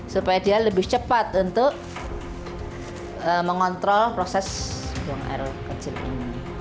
supaya dia lebih cepat untuk mengontrol proses buang air kecil ini